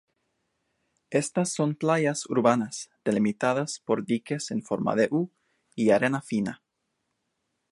Estas son playas urbanas delimitadas por diques en forma de U y arena fina.